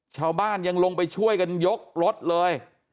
ชาวบ้านยังลงไปช่วยกันยกรถเลย